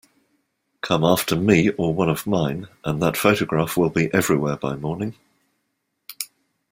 Come after me or one of mine, and that photograph will be everywhere by morning.